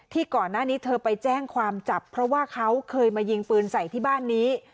ก่อนหน้านี้เธอไปแจ้งความจับเพราะว่าเขาเคยมายิงปืนใส่ที่บ้านนี้